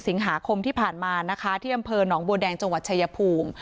สิงหาคมที่ผ่านมานะคะที่อำเภอหนองบัวแดงจังหวัดชายภูมิ